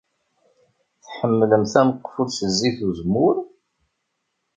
Tḥemmlemt ameqful s zzit uzemmur?